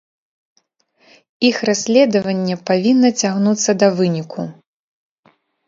Іх расследаванне павінна цягнуцца да выніку.